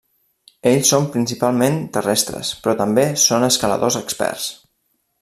Ells són principalment terrestres però també són escaladors experts.